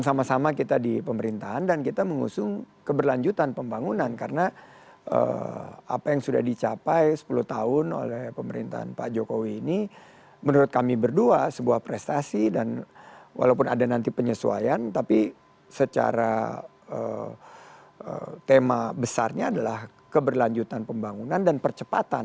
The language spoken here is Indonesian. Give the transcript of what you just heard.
sama sama kita di pemerintahan dan kita mengusung keberlanjutan pembangunan karena apa yang sudah dicapai sepuluh tahun oleh pemerintahan pak jokowi ini menurut kami berdua sebuah prestasi dan walaupun ada nanti penyesuaian tapi secara tema besarnya adalah keberlanjutan pembangunan dan percepatan